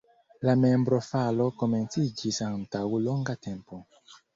La membrofalo komenciĝis antaŭ longa tempo.